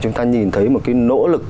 chúng ta nhìn thấy một cái nỗ lực